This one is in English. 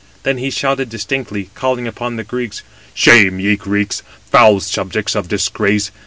Then he shouted distinctly, calling upon the Greeks: "Shame! ye Greeks, foul subjects of disgrace!